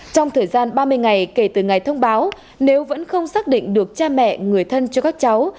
trong thời gian ba mươi ngày kể từ ngày thông báo nếu vẫn không xác định được cha mẹ người thân cho các cháu